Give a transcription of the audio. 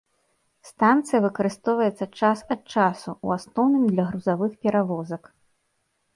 Станцыя выкарыстоўваецца час ад часу, у асноўным для грузавых перавозак.